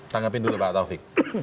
tanggapin dulu pak taufik